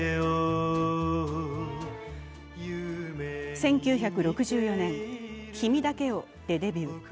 １９６４年、「君だけを」をデビュー。